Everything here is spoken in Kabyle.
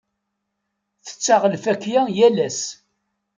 Tetteɣ lfakya yal ass.